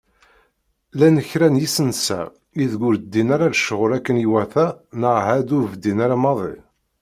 Llan kra n yisensa ideg ur ddin ara lecɣal akken iwata neɣ ɛad ur bdin ara maḍi.